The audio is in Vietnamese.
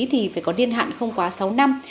thì phải có niên hạn không quá sáu năm